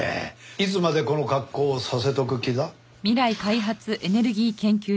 いつまでこの格好をさせとく気だ？